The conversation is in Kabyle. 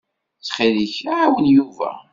Ttxil-k, ɛawen Yuba.